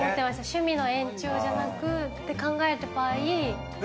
趣味の延長じゃなくって考えた場合。